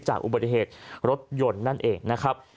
อุบัติเหตุรถยนต์นั่นเองนะครับ